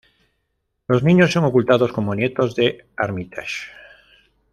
Los niños son ocultados como nietos de Armitage.